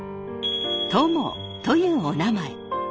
というおなまえ。